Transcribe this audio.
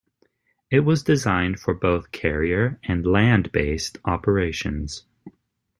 It was designed for both carrier- and land-based operations.